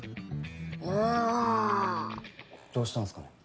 あぁどうしたんすかね？